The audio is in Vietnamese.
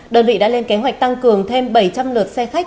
đơn vị đã lên kế hoạch tăng cường thêm bảy trăm linh lượt xe khách